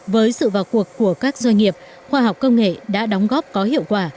với sự vào cuộc của các doanh nghiệp khoa học công nghệ đã đóng góp có hiệu quả